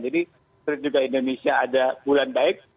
jadi setelah juga indonesia ada bulan baik